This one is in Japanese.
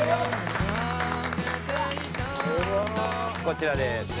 こちらです。